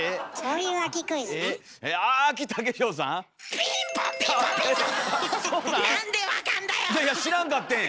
いやいや知らんかってん！